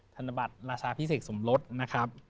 ธนบัตรราชาพิเศษสมรสนะครับ